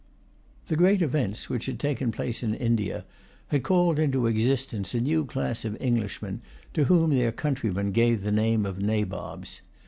The great events which had taken place in India had called into existence a new class of Englishmen, to whom their countrymen gave the name of Nabobs.